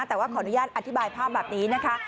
แต่ว่าขออนุญาตอธิบายภาพแบบนี้นะคะ